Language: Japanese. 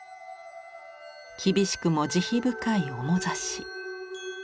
厳しくも慈悲深い面ざし。